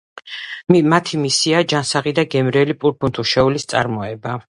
მათი მისიაა ჯანსაღი და გემრიელი პურ-ფუნთუშეულის წარმოება.